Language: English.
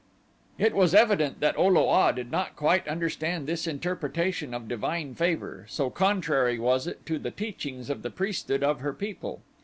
It was evident that O lo a did not quite understand this interpretation of divine favor, so contrary was it to the teachings of the priesthood of her people.